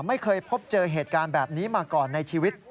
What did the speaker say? ไม่เคยพบเจอเหตุการณ์แบบนี้มาก่อนในชีวิต